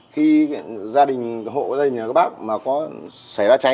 khi gia đình hộ ở đây nhà các bác mà có xảy ra cháy